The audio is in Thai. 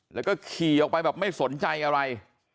แล้วก็ขี่ออกไปแบบไม่สนใจอะไร